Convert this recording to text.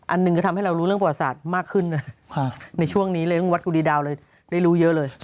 หนึ่งก็ทำให้เรารู้เรื่องประวัติศาสตร์มากขึ้นในช่วงนี้เรื่องวัดกุฎีดาวเลยได้รู้เยอะเลย